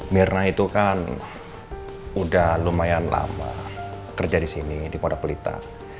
mirna itu kan udah lumayan lama kerja disini di podak pelita